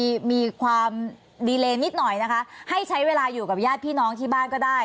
มีมีความดีเลนิดหน่อยนะคะให้ใช้เวลาอยู่กับญาติพี่น้องที่บ้านก็ได้